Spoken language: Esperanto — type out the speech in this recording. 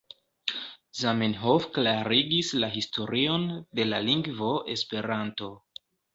Zamenhof klarigis la historion de la lingvo Esperanto.